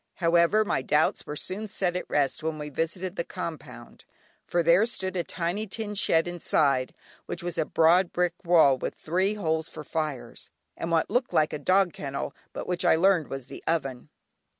However, my doubts were soon set at rest when we visited the compound, for there stood a tiny tin shed, inside which was a broad brick wall, with three holes for fires, and what looked like a dog kennel, but which I learned was the oven.